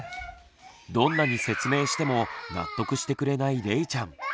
どんなに説明しても納得してくれないれいちゃん。